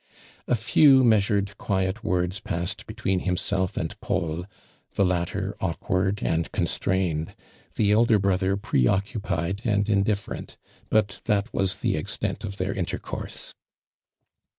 A few measured ((uiet words pastsed between himself and Paul, the latter awkward and constrained, the elder brother pro occupied and indifl'erent, but that was tho extent of their intercourse.